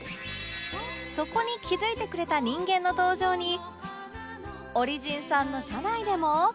そこに気づいてくれた人間の登場にオリジンさんの社内でも